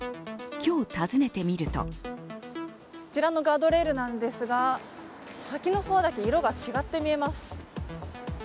今日訪ねてみるとこちらのガードレールなんですが、先の方だけ色が違って見えます。